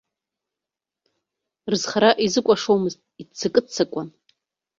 Рызхара изыкәашомызт, иццакы-ццакуан.